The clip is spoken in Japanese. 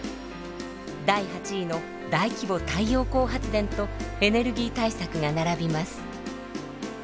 第８位の「大規模太陽光発電」とエネルギー対策が並びます。